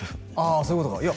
そういうことかいや